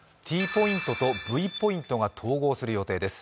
ＴポイントとＶポイントが統合する見通しです。